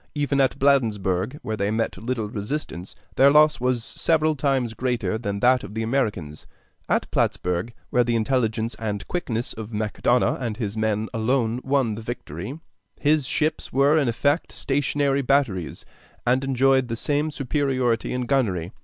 Even at Bladensburg, where they met little resistance, their loss was several times greater than that of the Americans. At Plattsburg, where the intelligence and quickness of Macdonough and his men alone won the victory, his ships were in effect stationary batteries, and enjoyed the same superiority in gunnery.